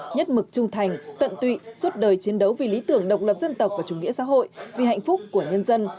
nhất mực trung thành tận tụy suốt đời chiến đấu vì lý tưởng độc lập dân tộc và chủ nghĩa xã hội vì hạnh phúc của nhân dân